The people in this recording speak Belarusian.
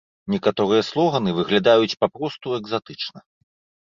Некаторыя слоганы выглядаюць папросту экзатычна.